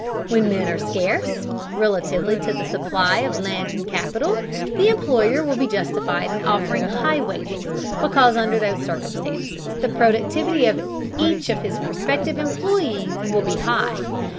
When men are scarce, relatively to the supply of land and capital, the employer will be justified in offering high wages, because under those circumstances the productivity of each of his prospective employees will be high.